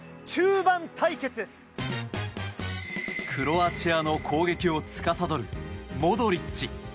クロアチアの攻撃をつかさどるモドリッチ。